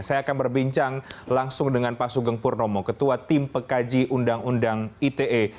saya akan berbincang langsung dengan pak sugeng purnomo ketua tim pekaji undang undang ite